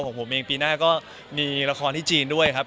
ของผมเองปีหน้าก็มีละครที่จีนด้วยครับ